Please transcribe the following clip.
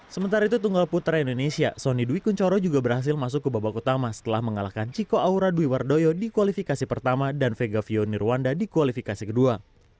sementara itu tunggal putra indonesia sonny dwi kunchoro juga berhasil masuk ke babak utama setelah mengalahkan chico aura dwi wardoyo di kualifikasi pertama dan vegavio nirwanda di kualifikasi kedua